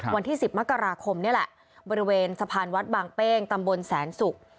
วันที่๑๐มกราคมนี่แหละบริเวณสะพานวัดบางเป้งตำบลแสนศุกร์